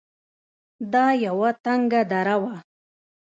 دا يوه تنگه دره وه.